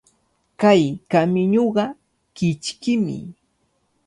Kay kamiñuqa kichkimi.